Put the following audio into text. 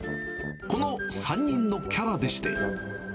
この３人のキャラでして。